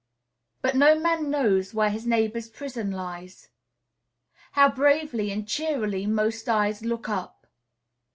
But no man knows where his neighbor's prison lies. How bravely and cheerily most eyes look up!